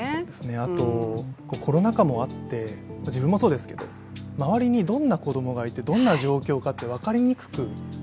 あとコロナ禍もあって自分もそうですけれども、周りにどんな子供がいて、どんな状況かって分かりにくくなっている。